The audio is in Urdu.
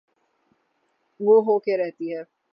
وہ ہو کے رہتی ہے۔